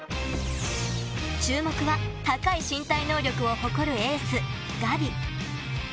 注目は高い身体能力を誇るエース、ガビ。